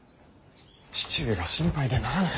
父上が心配でならぬ。